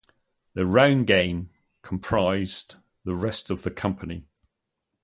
The round game comprised the rest of the company.